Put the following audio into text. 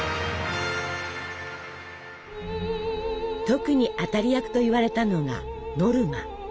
特に当たり役といわれたのが「ノルマ」。